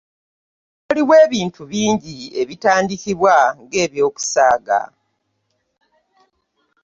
Waliwo ebintu bingi ebitandikibwa ng'ebyokusaaaga .